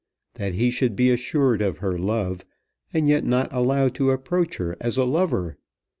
That he should be assured of her love, and yet not allowed to approach her as a lover!